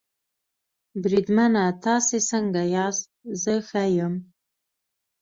بریدمنه تاسې څنګه یاست؟ زه ښه یم.